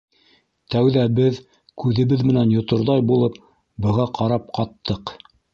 Тәүҙә беҙ, күҙебеҙ менән йоторҙай булып, быға ҡарап ҡаттыҡ.